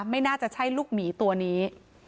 ไม่น่าจะใช่ลูกหมีตัวนี้